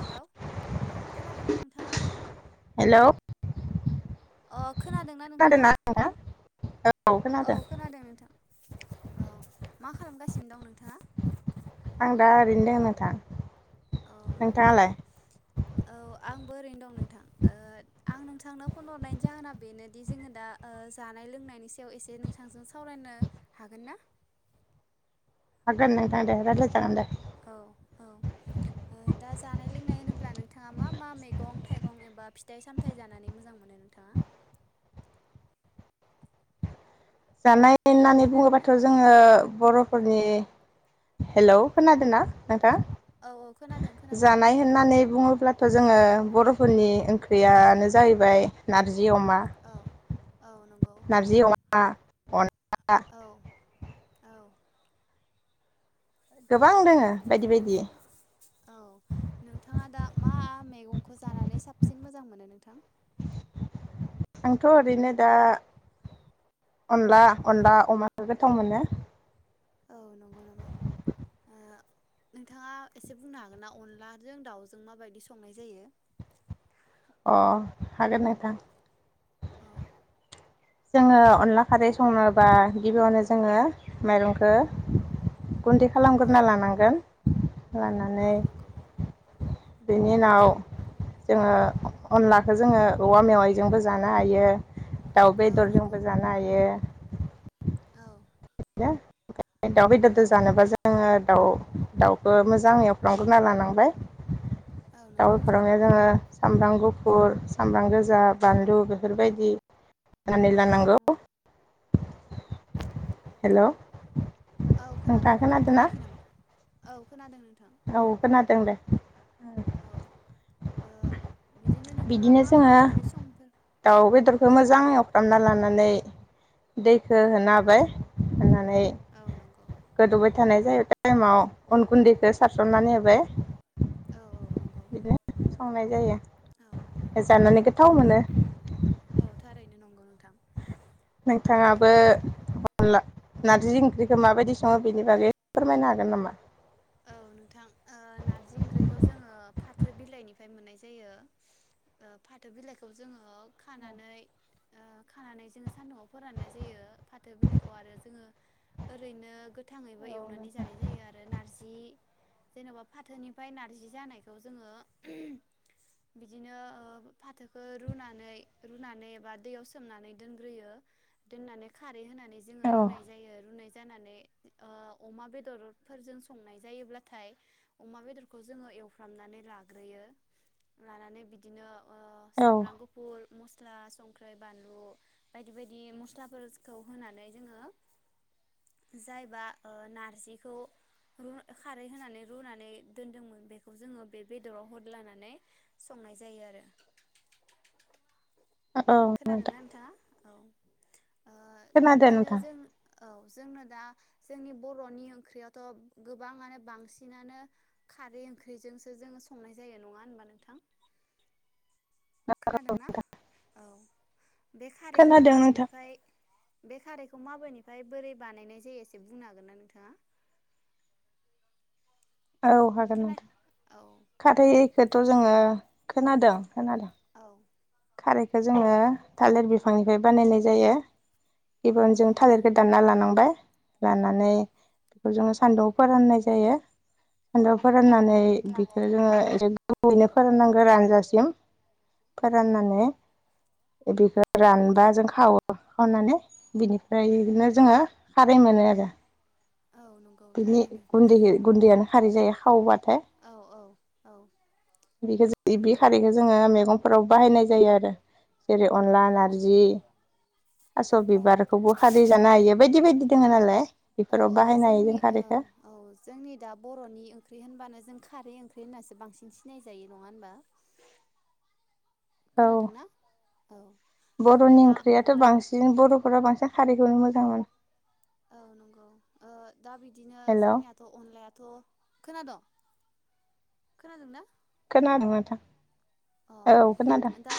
Hello औ खोनादों ना नों थाङा? हेलौ। अ। खोनादोंना नोंथाङा? औ खोनादों नोंथां। औ मा खालामगासिनो दं नोंथाङा? आं दा ओरैनो दों नोंथां। औ नंगौ नामा? नोंथाङालाय? औ आंबो ओरैनो दं नोंथां। ओ आं नोंथांनो फन हरनायनि जाहोना बेनो बिदि जोङो दा ओ जानाय लोंनायनि सायाव एसे नोंथांजों सावरायनो हागोन ना? [inaudible] हगोन नोंथां दे रायलाय जागोन दे। औ औ दा जानाय लोंनाय होनोब्ला नोंथाङा मा मा मैगं थाइगं एबा फिथाइ-सामथाइ जानानै मोजां मोनो नोंथाङा? जानाय होननानै खोनादोंना बुङोबाथ' जोङो बर'फोरनि औ हेलौ' खोनादोंना हो औ औ खोनादों खोनादों जानाय होननानै बुङो अब्लाथ' जोङो बर'फोरनि ओंख्रियानो जाहैबाय नार जि अमा औ औ नंगौ नारजि अमा अनला औ औ गोबां दोङो बायदि-बायदि औ नोंथाङा दा मा मैगंखो जानानै साबसिन मोजां मोनो नोंथां आंथ' ओरैनो दा औ अनला-अनला अमाखो गो थावमोनो औ नंगौ नामा ओ नोंथाङा एसे बुंनो हागोन ना अनलाजों दाउजों माबायदि संनाय जायो अ हागोन नोंथां औ जोङो अनला खारै सङोबा गिबियावनो जोङो माइरंखो गुन्दै औ खालामग्रोना लानांगोन औ लानानै नंगौ बेनि उनाव जोङो अनलाखो जोङो औवा मेवाइजोंबो जानो हायो दाउ औ नंगौ बेदरजोंबो जानो हायो औ [unintelligible] दाउ बेदरदो जानोबा जोङो दा दाउखौ मोजां एवफ्रानग्रोना लानांबाय औ दाव नंगौ एवफ्रामनायाव थारैनो जोङो सामब्राम गु फुर सामब्राम गोजा बानलु बेफोरबायदि होननानै लानांगौ हेलौ' औ खोनादों नोंथां खोनायाखै नामा औ खोनादों नों औ खोनादों दे औ ओ नोंथाङा बिदिनो मा मा जोङो ओंख्रि संफोर औ दाउ बेदरखौ मोजां एव फ्रामना लानानै दैखो औ होना होबाय होना नै औ नंगौ गोदौबाय थानाय जायो टाइमाव अन गुन्दैखो सारसननानै होबाय ! ! ! बिदिनो संनाय जायो जानानै गोथाव मोनो औ थारैनो नंगौ नोंथां ओ नोंथाङाबो नों अनला नारजि ओंख्रिखौ माबायदि सङो बेनि बागै फोरमायनो हागोन नामा ओ नोंथां ओ नारजि ओंख्रिखौ जोङो फाथो बिलाइनिफ्राय मोननाय जायो ओ फाथो बिलाइखौ जोङो खानानै ओ खानानै जोङो सान्दुंआव फोराननाय जायो फाथो बिलाइखौ आरो जोङो ओरैनो गो थाङैबो औ एवनानै नोंथां जानाय जायो आरो नारजि जेनबा फाथोनिफ्राय नारजि जानायखौ जोङो बिदिनो ओ फाथोखौ रुनानै रुनानै एबा दैयाव सोमनानै दोनग्रोयो दोननानै खार रै होनानै जोङो रुनाय औ जायो रुनाय जा जानानै ओ अमा बेदरफोरजों स संनाय जायोब्लाथाय अमा बेदरखौ जोङो एवफ्रामनानै लाग्रोयो लानानै बिदिनो ओ सामब्राम गुफुर मस मस्ला संख्रै बानलु बायदि बायदि मस्लाफोरखौ होनानै जोङो जायबा ओ नारजिखौ रु खारै होनानै रुनानै दोनदोंमोन बेखौ जोङो बे बेदराव होदलानानै संनाय जायो आरो औ नोंथां खोनादोंना नोंथाङा औ ओ दा खोनादों बिदिनो नोंथां जों औ जोंनो दा जोंनि बरनि ओंख्रियावथ गोबाङानो बांसिनानो खारै ओंख्रिजोंसो जोङो संनाय जायो नङा होनबा नोंथां खोनादोंना औ बे खारैखो खोनादों नोंथां माबेनिफ्राय बे खारैखौ माबेनिफाय बोरै बानायनाय जायो एसे बुंनो हागोन ना नोंथाङा औ हागोन खोना नोंथां औ खारै फेथ जोङो खोनादों खोनादों औ खारैखौ जोङो थालिर बिफांनिफ्राय बानायनाय जायो इबन औ जों नंगौ थालिरखो दानना लानांबाय औ राननानै खौ जोङो सान्दुंआव फोराननाय जायो सान्दाव फोराननानै बिखो होननानै जोङो औ एरैनो फोराननांगोन रानजासे हेल फोद राननानै बेखो रानबा जों खावो खावनानै बिनिफ्राय बिदिनो जोङो खारै मोनो आरो औ नंगौ बिदि थारैनो गुन्दि गुन्दियानो खारि जायो हावबा थाय औ औ औ बेखौ जों ओ बे खारैखौ जोङो मैगंफोराव बाहायनाय जायो आरो। जेरै औ अनला नंगौ नारजि थास' औ बिबारखौबो खारै जानो हायो बायदि बायदि दोङो नालाय औ बेफोराव औ बाहायनो हायो जोंनि जों ओ खारैखौ। औ जोंनि दा बर'नि ओंख्रि होनबानो जों खारै ओंख्रि होननासो बांसिन सिनायजायो नङा होनबा। औ खोनादोंना औ बिदिनो बर'नि दा ओंख्रियाथ' अनलाय बांसिन बर'फोरा बांसिन खारैखौनो मोजां मोनो। औ नंगौ ओ दा बिदिनो हेल' जोंनियाथ' अनलायाथ' खोनादोंं। खोनादोंना? खोनादों नोथां। अ औ खोनादों। दा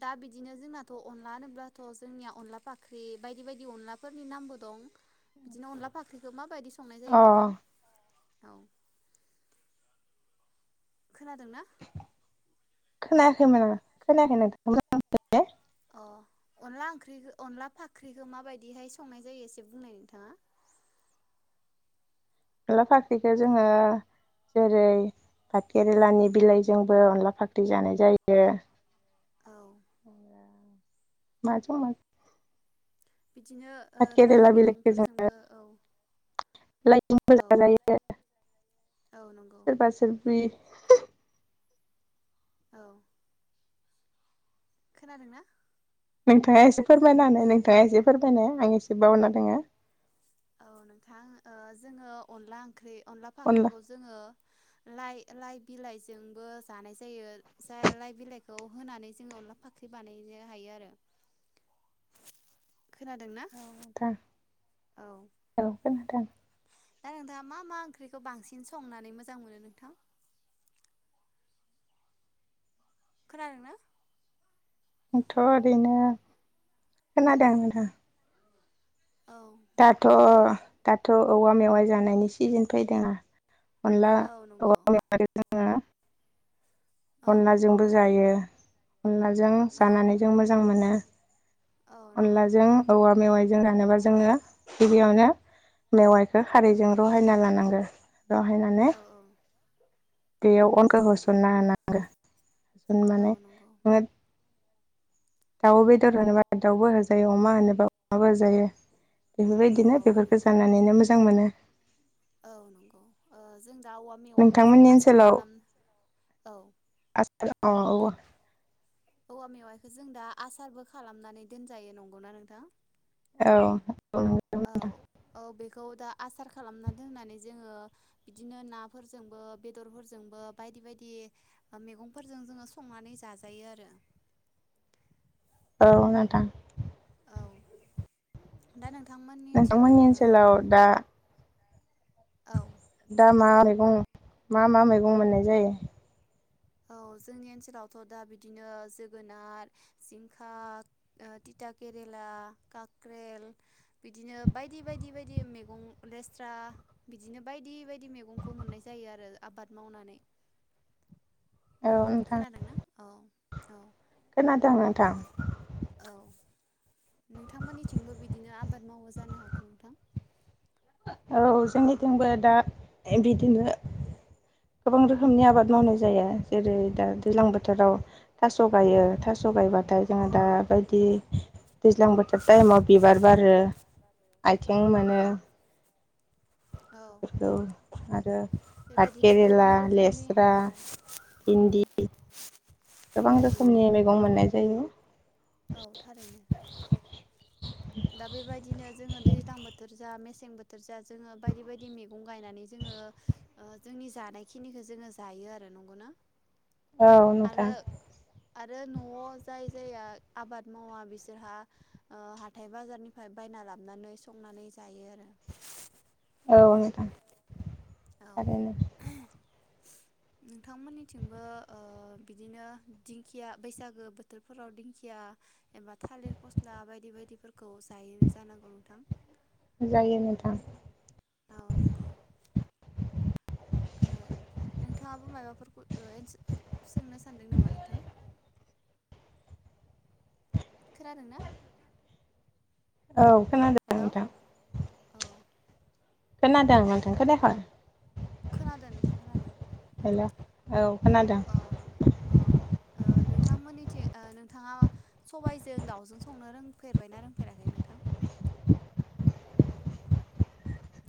दा बिदिनो जोंनाथ' अनला होनोब्लाथ' जोंनिया अनला फाख्रि बायदि बायदि अनलाफोरनि नामबो दं बिदिनो अनला फाख्रिखौ माबायदि स संनाय जायो अ नोंथां। औ खोनादों ना? खोनायाखैमोन आं खोनायाखै नोंथां [unintelligible] अ अनला ओंख्रिखो अनला फाख्रिखौ माबायदिहाय संनाय जायो एसे बुंनाय नोंथाङा। अनलाफा ख्रिखो जोङो जेरै भाद केरेलानि बिलाइजोंबो अनला फाख्रि जानाय जायो औ अनला माजों माजों। बिदिनो ओ लाइ जों मैगंफोरजोंबो औ [unintelligible] औ औ नंगौ सोरबा सोरबि औ खोनादों ना? नोंथाङा एसे फोरमायनानो नोंथाङा एसे फोरमायनाय आं एसे बावना दोङो। औ नोंथां ओ जोङो अनला ओंख्रि। अनला फाख्रिखौ जोङो लाइ लाइ बिलाइजोंबो जानाय जायो जा लाइ बिलाइखौ होनानै जोङो अनला फाख्रि बानायनो हायो आरो। खोनादोंना? औ औ। औ ओं नोंथां। दा नोंथाङा मा मा ओंख्रिखौ बांसिन संनानै मोजां मोनो नोंथां। खोनादों ना? आंथ' ओरैनो खोनादों नोंथां। औ- दाथ' दाथ' औवा मेवाइ जानायनि सिजोन फैदोंना अनला औ नंगौ [unintelligible] औ अनलाजोंबो जायो अनलाजों औ जानानै जों मोजां मोनो। औ [inaudible] नंगौ अनलाजों औवा मेवाइ- जों जानोबा जोंङो- गिबियावनो मेवाइखौ खारैजों रहायना लानांगो। राहाय नानै- औ औ बेयाव अनखा होसननो होनांगौ। औ माने नंगौ [inaudible] दाउ बेदर होनोबा दाउबो होजायो अमा होनोबा अमाबो‌ हो- जायो औ बेफोरबायदिनो औ बेफोरखौ नंगौ जानानैनो मोजां मोनो। औ नंगौ ओ जों दा औवा मेवाइखौ जों नोंथांमोननि आसार ओनसोलाव खालाम औ आसार औ दे- औवा मेवाइखौ जों दा आसारबो खालामनानै दोनजायो नंगौना नोंथां? औ औ -औ -बेखौ- दा आसार खालामनानै दोननानै जोंङो बिदिनो नाफोरजोंबो बेदरफोरजोंबो बायदि बायदि मैगंफोरजों जोंङो संनानै जाजायो आरो- औ नोंथां- औ दा नों- नोंथांमोननि ओनसोलाव दा- ओ औ दा मा- मैगं मा मा मैगं मोननाय जायो? औ जोंनि ओनसोलावथ' दा बिदिनो जोगोनार जिंखा थिथा केरेला कक्रेल बिदिनो बायदि बायदि -बायदि मैगं लेस्रा बिदिनो बायदि- बायदि मैगंखौ मोननाय जायो आरो आबाद मावनानै- औ नोंथां खोनादोंना औ -औ खोनादों नोंथां -औ नोंथांमोननिथिंबो बिदिनो आबाद मावो- जानो हागौ नोंथां? औ जोंनिथिंबो दा बिदिनो गोबां रोखोमनि आबाद मावनाय जायो जेरै दा दैज्लां बोथोराव- थास' गायो औ थास' गायबाथाय जोंङो औ दााबायदि- दैज्लां बोथोर टाइमाव बिबार बारो- औ आथिं नंगौ मोनो- औ बेफोरखौ आरो पाथ बेबायदिनो गोबां केेरेला रोखोमनि लेस्रा औ औ भिन्दि- औ गोबां नंगौ रोखोमनि मैगं मोननाय जायो। औ थारैनो। दा बेबायदिनो जोङो दैज्लां बोथोर जा मे सें बोथोर जा, जोङो बायदि बायदि मैगं गायनानै जोङो जोंनि जानायखिनिखौ जोङो जायो आरो नंगौना? औ आरो नोंथां। आरो न'आव जाय जाया आबाद मावा बिसोरहा हाथाय बाजारनिफ्राय बायना लाबनानै संनानै जायो आरो। औ नोंथां। औ आरो ना। नोंथांमोननिथिंबो बिदिनो दिंखिया बैसागो बोथोरफोराव दिंखिया एबा थालिर फस्ला बायदि बायदिफोर खौ जायो जानांगौ नोंथां? थां। औ नंगौ ओ नोंथाङाबो माबाफोरखौ एस सोंनो सानदों नामा नोंथां? खोनादोंना? औ खोनादों हेल' नोंथां औ खोनादों नोंथां। खोनायाखै? खोनादों नोंथां खोनादों। हेल' औ खोनादों औ औ नोंथांमोननिथिं ओ नोंथाङा सबायाइजों दावजों संनो रोंफेरबायना रोंफेराखै नोंथां?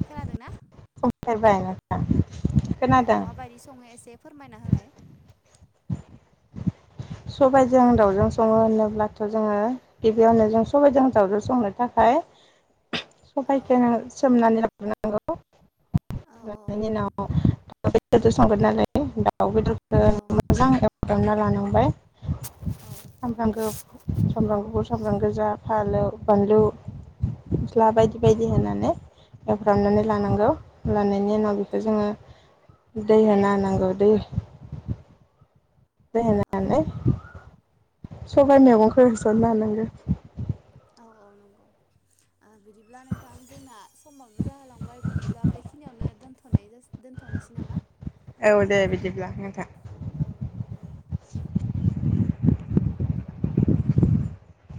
खोनादोंना? संफेरबाय [unintelligible] औ खोनादों माबायदि संङो एसे फोरमायना होलाय? सबायजों दावजों संङो होनोब्लाथ' जोङो गिबियावनो जों सबायाइजों दाउजों संनो थाखाय औ सबाइखौ नों सोमनानै औ औ ला [unintelligible] दाउ बेदरफोर औ मोजां एवफ्रामना लानांबाय औ सामब्राम सामब्राम गुफुर सामब्राम गोजा फालौ, बानलु, मस्ला औ बायदि औ बायदि नंगौ होनानै एवफ्रामनानै औ लानांगौ। लानायनि औ उनाव बेखौ जोङो थारैनो दै होन ना नांगौ दैे दै औ होनानै नंगौ सबाइ मेगंखौ होसनना लानांगौ। औ नंगौ औ बिदिब्ला नोंथां जोंना समावनो जाहोलांबाय बिदिब्ला बेखिनियावनो दोनथ'नाय जासि औ दे बिदिब्ला। उम था औ दे।